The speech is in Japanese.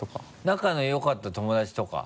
仲の良かった友達とか？